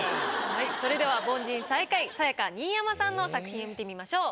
はいそれでは凡人最下位さや香新山さんの作品を見てみましょう。